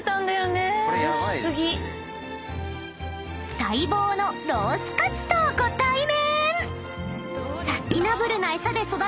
［待望のロースかつとご対面！］